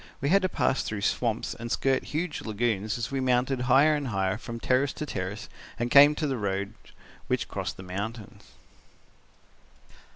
We had to pass through swamps and skirt huge lagoons as we mounted higher and higher from terrace to terrace and came to the roads which crossed the mountains.